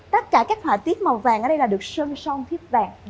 tất cả các hỏa tiết màu vàng ở đây là được sơn son thiếp vàng